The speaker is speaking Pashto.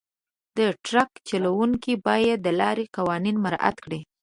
د ټرک چلونکي باید د لارې قوانین مراعات کړي.